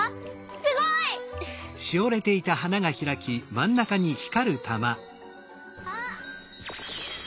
すごい！あっ！